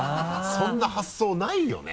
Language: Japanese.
そんな発想ないよね？